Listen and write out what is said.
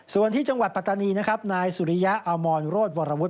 ส่วนที่จังหวัดปัตตานีนายสุริยะอามรโรศบรรลวศ